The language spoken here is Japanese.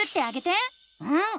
うん！